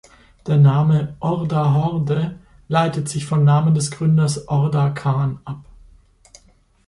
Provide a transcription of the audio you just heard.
Der Name „Orda-Horde“ leitet sich vom Namen des Gründers, Orda Khan, ab.